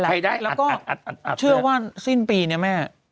ใครได้แล้วก็เชื่อว่าสิ้นปีเนี่ยแม่